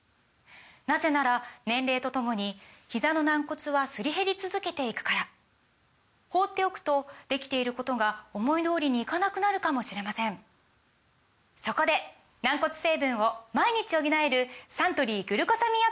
なぜなら年齢とともにひざの軟骨はすり減り続けていくから放っておくとできていることが思い通りにいかなくなるかもしれませんそこで軟骨成分を毎日補えるサントリー「グルコサミンアクティブ」！